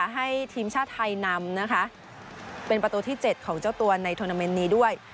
ให้ทีมชาติไทยนำนะคะเป็นประตูที่๗ของเจ้าตัวในทวนาเมนต์นี้ด้วย